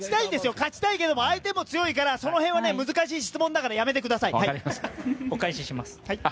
勝ちたいけど相手も強いからその辺は難しい質問だからお返しします。